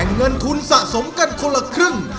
เงินทุนสะสมกันคนละครึ่ง